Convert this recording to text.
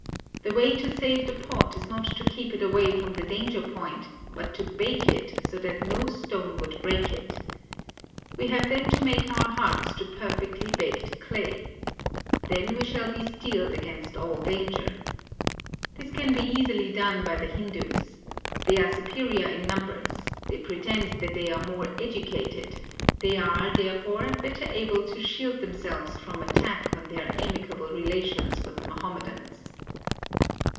The way to save the pot is not to keep it away from the danger point, but to bake it so that no stone would break it. We have then to make our hearts of perfectly baked clay. Then we shall be steeled against all danger. This can be easily done by the Hindus. They are superior in numbers, they pretend that they are more educated, they are, therefore, better able to shield themselves from attack on their amicable relations with the Mahomedans.